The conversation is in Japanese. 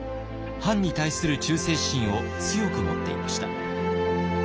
藩に対する忠誠心を強く持っていました。